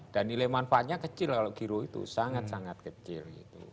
dan nilai manfaatnya kecil kalau giro itu sangat sangat kecil